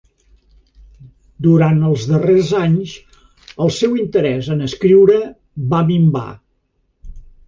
Durant els darrers anys el seu interès en escriure va minvar.